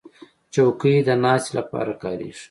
چوکۍ د ناستې لپاره کارېږي.